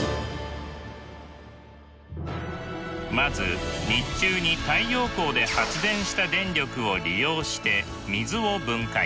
まず日中に太陽光で発電した電力を利用して水を分解。